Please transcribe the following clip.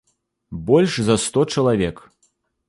Больш за сто чалавек.